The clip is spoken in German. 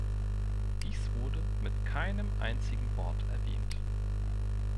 Dies wurde mit keinem einzigen Wort erwähnt.